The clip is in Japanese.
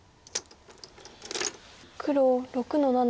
黒６の七。